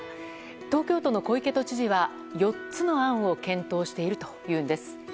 東京都の小池都知事は４つの案を検討しているというんです。